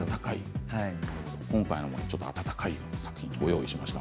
今回、温かい作品をご用意しました。